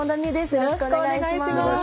よろしくお願いします。